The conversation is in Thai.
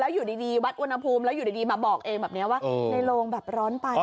อยู่ดีวัดอุณหภูมิแล้วอยู่ดีมาบอกเองแบบนี้ว่าในโรงแบบร้อนไป